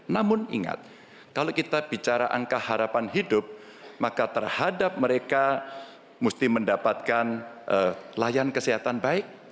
namun ingat kalau kita bicara angka harapan hidup maka terhadap mereka musti mendapatkan layan kesehatan baik